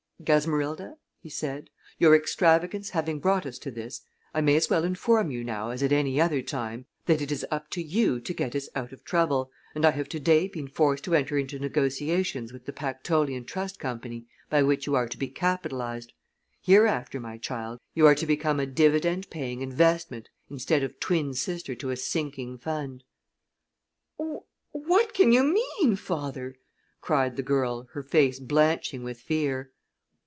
"Gasmerilda," he said, "your extravagance having brought us to this, I may as well inform you now as at any other time that it is up to you to get us out of trouble, and I have to day been forced to enter into negotiations with the Pactolean Trust Company by which you are to be capitalized. Hereafter, my child, you are to become a dividend paying investment instead of twin sister to a sinking fund." "What can you mean, father?" cried the girl, her face blanching with fear.